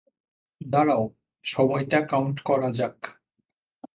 দাঁড়াও, সময়টা কাউন্ট করা যাক।